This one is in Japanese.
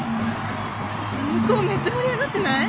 向こうめっちゃ盛り上がってない？